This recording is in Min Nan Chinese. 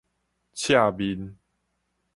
刺面